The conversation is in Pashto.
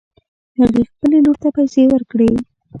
هغې خپلې لور ته پیسې ورکړې